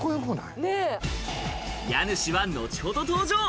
家主は、後ほど登場。